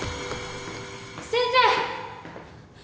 先生！